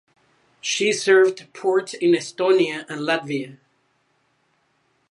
She served ports in Estonia and Latvia.